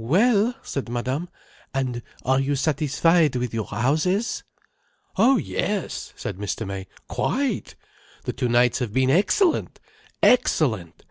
"Well," said Madame, "and are you satisfied with your houses?" "Oh yes," said Mr. May. "Quite! The two nights have been excellent. Excellent!"